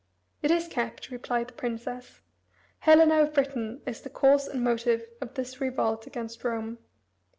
"It is kept," replied the princess. "Helena of Britain is the cause and motive of this revolt against Rome.